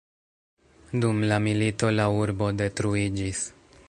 Dum la milito la urbo detruiĝis.